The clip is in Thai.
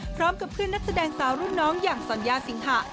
พร้อมกับเพื่อนนักแสดงสาวรุ่นน้องอย่างสัญญาสิงหะ